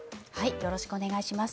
よろしくお願いします。